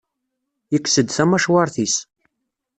Yekkes-d tamacwart-is.